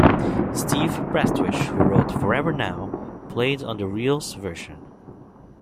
Steve Prestwich, who wrote "Forever Now", played on The Reels' version.